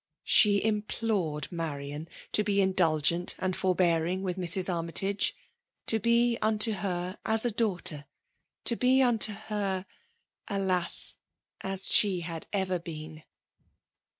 She implored Marian to be indidgent and tofr bearing with Mrs. Armytage ; to be unto her as a daughter ; to be unto her — alas! as ske had ever been.